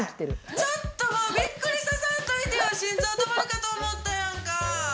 ちょっとな、もうびっくりさせんといて、心臓止まるかと思ったやんか。